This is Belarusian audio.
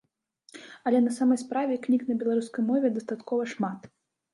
Але на самой справе, кніг на беларускай мове дастаткова шмат.